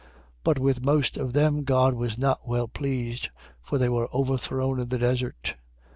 10:5. But with most of them God was not well pleased: for they were overthrown in the desert.